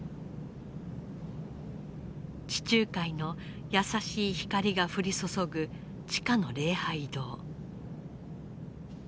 地中海の優しい光が降り注ぐ地下の礼拝堂。